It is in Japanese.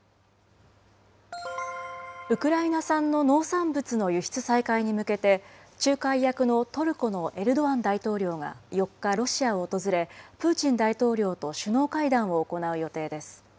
ウクライナ産の農産物の輸出再開に向けて、仲介役のトルコのエルドアン大統領が４日、ロシアを訪れ、プーチン大統領と首脳会談を行う予定です。